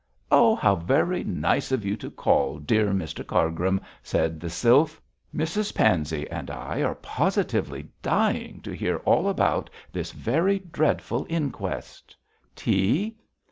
'Oh, how very nice of you to call, dear Mr Cargrim,' said the sylph. 'Mrs Pansey and I are positively dying to hear all about this very dreadful inquest. Tea?'